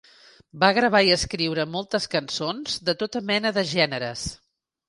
Va gravar i escriure moltes cançons de tota mena de gèneres.